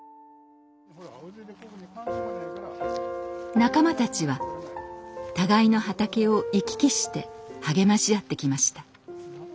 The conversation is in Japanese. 仲間たちは互いの畑を行き来して励まし合ってきました。